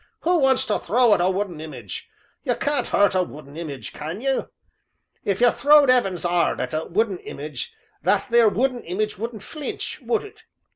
Who wants to throw at a wooden image you can't 'urt a wooden image, can you if you throwed 'eavens 'ard at a wooden image that there wooden image wouldn't flinch, would it?